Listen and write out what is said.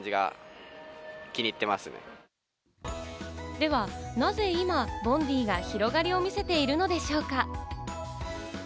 ではなぜ今、Ｂｏｎｄｅｅが広がりを見せているのでしょうか？